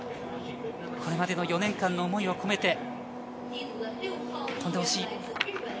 これまでの４年間の思いを込めて飛んでほしい。